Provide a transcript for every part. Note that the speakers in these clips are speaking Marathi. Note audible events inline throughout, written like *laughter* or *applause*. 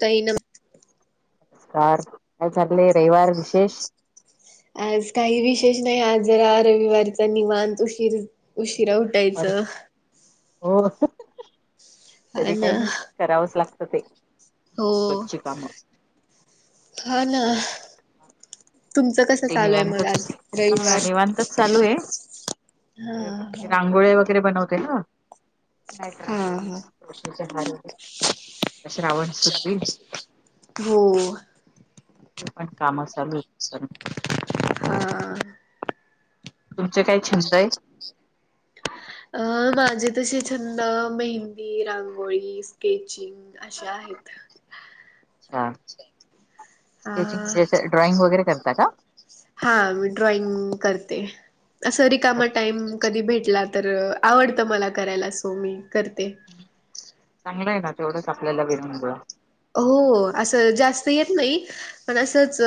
ताही ना. कार काय चाललेय रविवार विशेष आज काही विशेष नाही आजरा रविवारीचा निवांत उशीर उशीिरा पण दायचं हो हा तरी ना काही नाही करावंच लागत ते हो रोजची कामं ख ना तुमचं कसं चालू आहे मग निवांतच आज ह रविवार निवांतच चालू आहे हा हा रांगोळे वगैरे बनवते ना हा हा श श्रावण सुरू होईल हो ते पण काम चालू हां तुमचे काय छंद आहे अ माझे तसे छंद मेहंदी रांगोळी स्केचिंग अशे आहेत अच्छा हा स्केचिंग ड्रॉइंग वगैरे करता का हा मी ड्रॉइंग करते अस रिकामा अच्छा टाइम कधी भेटला तर आवडतं मला करायला सो मी करते चांगलं आहे ना तेवढंच आपल्याला विेर बळा हो असं जास्त येत नाही पण असंच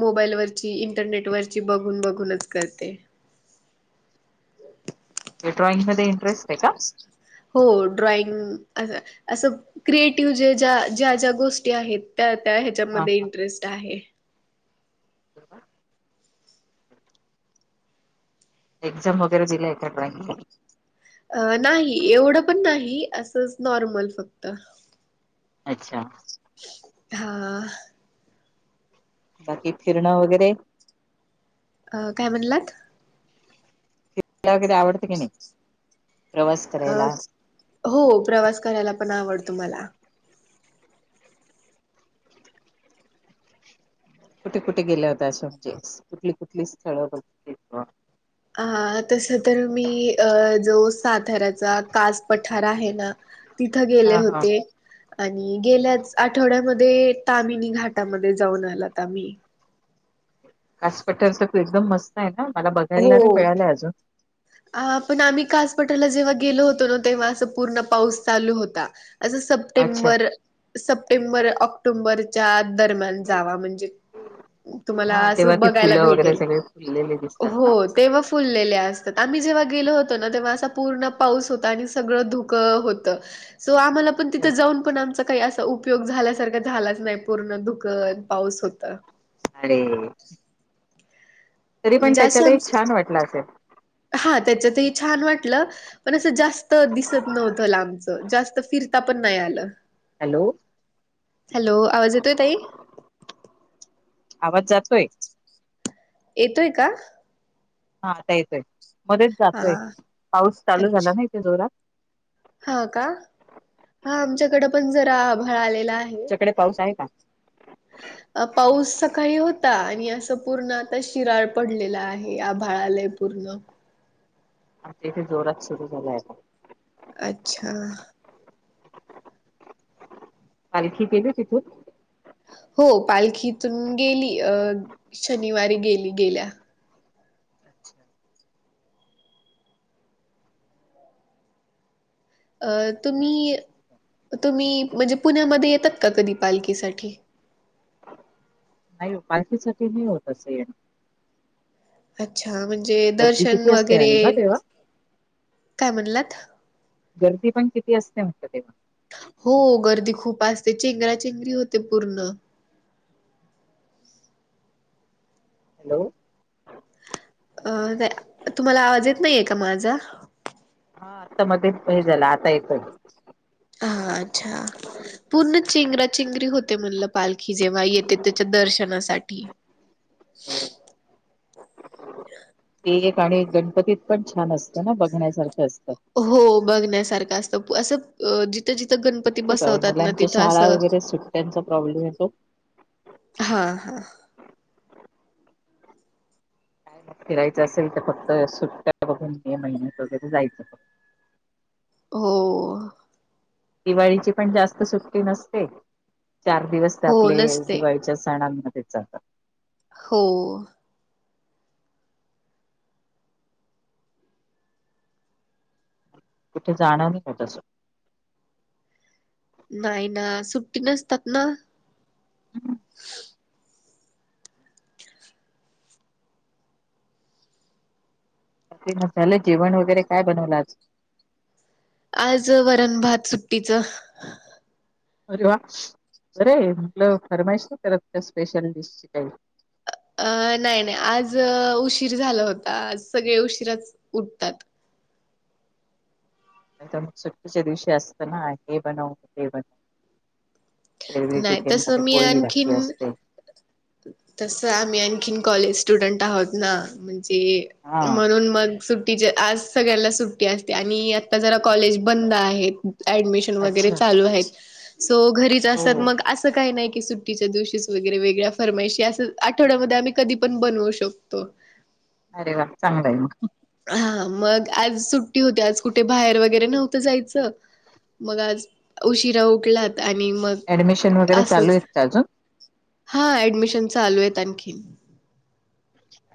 मोबाईलवररची इंटरनेटवररची बघून बघूनच करते ड्रॉइंग ममध्ये इंटरेस्ट आहे का हो ड्रॉइंग असं असं क्रिएटिव्ह ज्या ज्या ज्या ज्या गोष्टी आहेत त्या त्या हा ह्याच्यामध्ये इंटरेस्ट आहे हो एक्झाम वगैरे दिला एकाड्राईंगला अ नाही एवढं पण नाही असंच नॉर्मल फक्त अच्छा हा बाकी फिरणं वगैरे अ काय म्हणलात त वगैर आवडतं की नाही प्रवास अ करायला हो प्रवास करायला पण आवडतो मला कुठे कुठे गेल्या होत असं म्हणजे कुठली कुठली स्थळ ब क अ तस तर मी अ जो साताऱ्याचा कास पठार आहे ना तिथं गेले हा हा होते आणि गेल्याच आठवड्यामध्ये तामिनी घाटामध्ये जाऊन आलात आम्ही कास पटर तर तू एकदम मस्त आहे ना मला बघायला नाही हो. मिळालं अजून अ पण आम्ही कासपटाला जेव्हा गेलो होतो ना तेव्हा असं पूर्ण पाऊस चालू होता असं अच्छा सप्टेंबर सप्टेंबर ऑक्टोंबरच्या दरम्यान जावा म्हणजे तुम्हाला हा तेव्हा असं ती बघायला फुलं वगैरे भेटेल सगळे फुललेले दिसतात हो ना तेव्हा फुललेलेस आम्ही जेव्हा गेलो होतो ना तेव्हा असा पूर्ण पाऊस होता आणि सगळं धुक होत सो आम्हाला पण तिथं अच्छा जाऊनण आमचचा काही असाप उपयोग झाल्यासारखा झालाच नाही पूर्ण ुकन पाऊस होत अरे तरी पण म्हणजें त्याच्यात एक छान वाटलं असेल हा त्याच ते छान वाटलं पण असं जास्त दिसत नव्हतं ला आमचं जास्त फिरता पण नाही आलं हॅलो हॅलो आवाज येतोय ताई आवाज जातोय येतोय का हा आता येतोय मध्येच हा जातोय पाऊस चालू झाला अच्छा. ना इथे जोरात हा का हा आमच्याकडे पण जरा आभाळ आलेला आहे तकडे पाऊस आहे का पाऊस सकाळी होता आणि असं पूर्ण आता शिराळ पडलेला आहे आ भाळालय पूर्णम थे जोरात सुरू झालायता अच्छा. पालखी गेली तिथून? हो पालखीतून गेली. अ शनिवारी गेली गेल्या. अच्छा. अ तुम्ही तुम्ही म्हणजे पुण्यामध्ये येतात का कधी पालखीसाठी? नाही पालखीसाठी नाही होत अस येणं. अच्छा म्हणजे गर्दी दर्शन किती असते वगैरे आणि ना तेव्हा काय म्हणलात? गर्दी पण किती असते म्हत ते हो गर्दी खूप असते. चेंगरा चेंगरी होते पूर्ण. हॅलो. अ नाही. तुम्हाला आवाज येत नाहीये का माझा? हा. आता मध्येच हे झालं आता येतोय. हा. अच्छा. पूर्ण चेंगराचेगरी होते म्हणल, पालखी जेव्हा येते त्याच्या दर्शनासाठी *unintelligible* *inaudible* ते एक आणि गणपतीत पण छान असतं ना? बघण्यासारख असतं. हो बघण्यासारखं असत. अस जित तथ जिथं गणपती ऐकता बसवतात ना मुलांच्या तिथं शाळा असं वगैरे सुट्ट्यांचा प्रॉब्लेम येतो हा हा. फिरायचं असेल तर फक्त सुट्टा बघून मे महिन्यात वगैरे जायचं फक्त. हो. दिवाळीची पण जास्त सुट्टी नसते. चार दिवस हो आपले नसते दिवाळीच्या सणांमध्ये जातात. हो. *unintelligible* नाही ना. सुट्टी नसतात ना? *unintelligible* *unintelligible* ते मसालं जेवण वगैरे काय बनवल आज? आज वरण, भात सुट्टीचं. अरे वा! बर ये, *unintelligible* फरमाईश नाई करत. स्पेशल डिश का अ नाही नाही. आज उशीर झाल होता. आज सगळे उशीराच उठतात. सुट्टीच्या दिवशी असत ना, हे बनव ते बनव. एरवी नाही टिफीन मधे तसं मी पोळी, भजी आणखीन असते. तसं आम्ही आणखीन कॉलेज स्टुडंट आहोत ना. म्हणजे हां. म्हणून मग सुट्टीच्या आज सगळ्यांना सुट्टी असते. आणि आत्ता जरा कॉलेज बंद आहे. ऍडमिशन वगैरे अच्छा. चालू आहेत. सो घरीच हो. असतात. मग असं काही नाही की सुट्टीच्या दिवशीच वगैरे वेगळ्या फर्मयशी, असं आठवड्यामध्ये आम्ही कधी पण बनवू शकतो. अरे वा! चांगलं आहे मग. हा मग आज सुट्टी होती. आज कुठे बाहेर वगैरे नव्हतं जायचं. मग आज उशिरा उटलात आणि मग ऍडमिशन वगैरे चालू असंच आहेत का अजून? हा ऍडमिशन चा चालू आहेत आणखी अ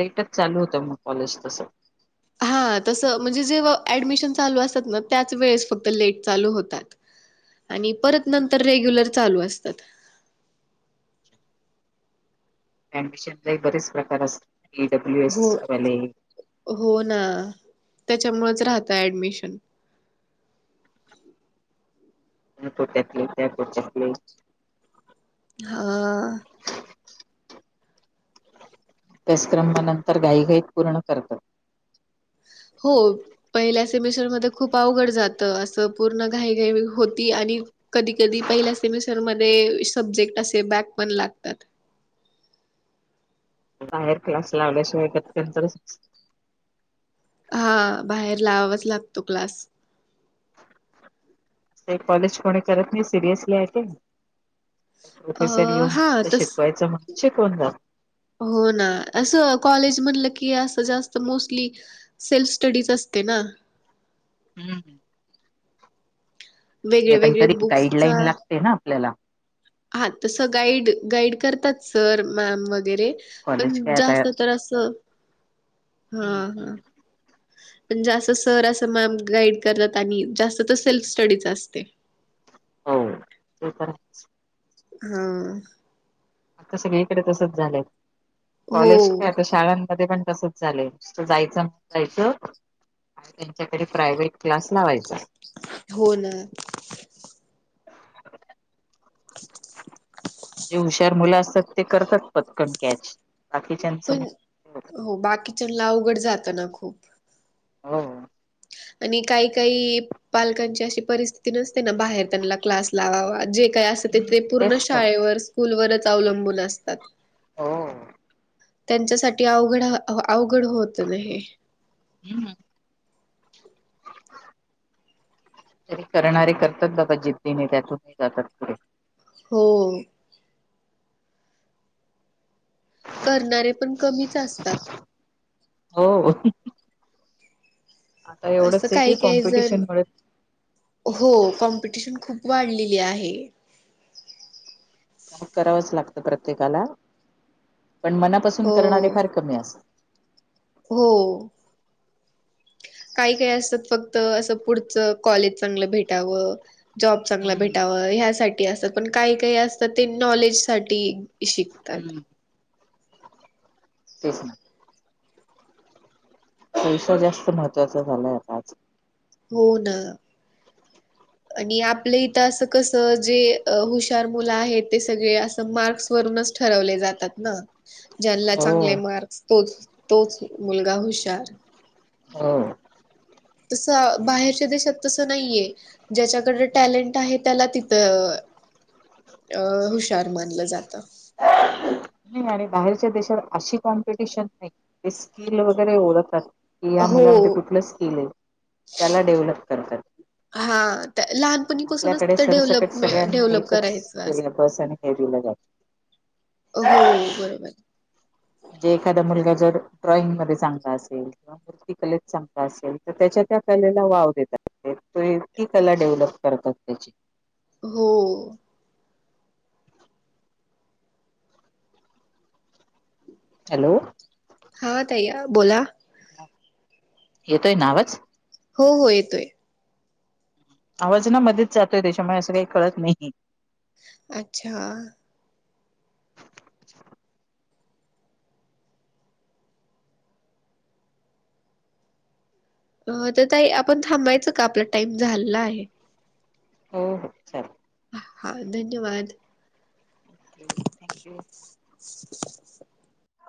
लेटच चालू होतं मग कॉलेज तसं हा तसं म्हणजे जे ऍडमिशन चालू असतात ना त्याच वेळेस फक्त लेट चालू होतात आणि परत नंतर रेग्युलर चालू असतात अम्बिशन ला एक बरेच प्रकार असतात डब्ल्यू हो, एसवाले हो ना त्याच्यामुळेच राहत ऍडमिशन त्याू त्याली त्याकली हा त्यासक्रभ नंतर गाई गाईत पूर्ण करतात हो पहिल्या सेमिस्टरमध्येध्ये खूप अवघड जातं असं पूर्ण घाईघाई होती आणि कधी कधी पहिल्या सेमिस्टरमध्येध्ये सब्जेक्ट असे बॅक पण लागतात हायर क्लासला आवड्याश वत त्यां हा बाहेर लावावाच लागतो क्लास कॉलेज कोणी करत नाही सिरियसली आहे ते अ, प्रोफेसर येऊन हां, मत तस शिकवायचं मण शिकून जात हो ना असं कॉलेज म्हणलं की असं जास्त मोस्टली सेल्फ स्टडीज असते ना हम्म ह वेगळे नाही पण वेगळे तरी बुक्सचा गाईडलाईन लागते ना आपल्याला हा तसं गाईड गाईड करतात सर मॅम वगैरे पण कॉलेज काय आता जास्त तर असं हा हम्म हम्म. हा पण जास्त सर असं मॅम गाईड करतात आणि जास्त तर सेल्फ स्टडीच असते हो ते तर हम आता सगळीकडे तसच झालंय हो कॉलेज क आता शाळांमध्ये पण तसच चालेल जायच जायचं आणि त्यांच्याकडे प्रायव्हेट क्लास लावायचा हो ना *unintelligible* जे हुशार मुलं असतात ते करतात पटकन कॅच राखकी पण हो बाकीच्यां ला अवघड जात ना खूप हा आणि काही काही पालकांची अशी परिस्थिती नसते ना बाहेर त्यांना क्लास लावावा जे काही असत हम्म. ते पूर्ण तेच तर. शाळेवर स्कूल वच अवलंबून असतात ह त्यांच्यासाठी अवघड अवघड होत नाही हम्म तरी करणारे करतात बघ जिद्दीने त्यातूनही जातात पुढे हो करणारे पण कमीच असतात हो आता असं एवढंच आहे की काही काय जण कॉम्पिटिशन मुळे हो कॉम्पिटिशन खूप वाढलेली आहे करावंच लागतं प्रत्येकाला पण मनापासून हो करणारे फार कमी असत हो काही काही असतात फक्त असं पुढचं कॉलेज चांगलं भेटावं जॉब चांगला हम्म भेटावं ह्यासाठी असतात पण काही काही असतात ते नॉलेजसाठीठी हम्म तेच ना पैसा जास्त महत्त्वाचा झालाय आता आज हो ना. आणि आपलं इथं असं कसं जे हुशार मुलं आहेत ते सगळे असं मार्क्सवरूनच ठरवले जातात ना. ज्यांला हो चांगले मार्क्स तोच तोच मुलगा हुशार. हो. तसं बाहेरच्या देशात तसं नाहीय. ज्याच्याकड टॅलेंट आहे त्याला तिथं. अ हुशार मानलं जातं. नाही आणि बाहेरच्या देशात अशी कॉम्पिटिशन नाही ते स्किल वगैरे ओळतात. कि या हो मुलामध्ये कुठलं स्किल आहे त्याला डेव्हलप करतात. हा त्या लहानपणीपासूनचथ डेव्हलपे डेव्हलप करायच. पस हेला जा हो बरोबर. म्हणजे एखादा मुलगा जर ड्रॉइंग ममध्येध्ये चांगला असेल किं. मूर्त कले चांग असेल तर त्याच्या त्या कलेला वाव देतात. त ती कला डेव्हलप करतात त्याची. हो. हॅलो! हा तया बोला. येतोय नावच. हो हो येतोय. आवाज ना मध्येच जातोय त्याच्यामुळे असं काही कळत नाही. अच्छा! तर तही आपण थांबायचं का आपला टाइम झाला आहे. हो हो चाल. हा धन्यवाद. थँक्यू. *inaudible*